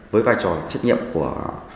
với vai trò trách nhiệm của